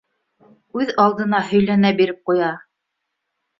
Үҙ алдына һөйләнә биреп ҡуя: